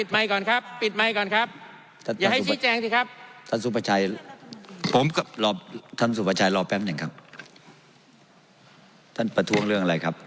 มายก่อนครับปิดมายก่อนครับอย่าให้ชี้แจ้งสิครับ